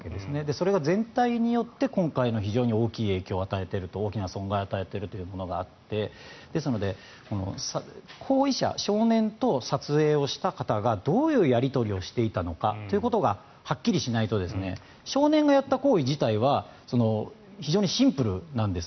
それが全体によって今回の非常に大きい影響、損害を与えているというものがあってですので、行為者、少年と撮影をした方がどういうやり取りをしていたのかということがはっきりしないと少年がやった行為自体は非常にシンプルなんです。